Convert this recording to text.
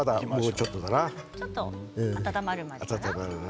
ちょっと温まるまで。